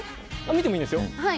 見てもいいですよ。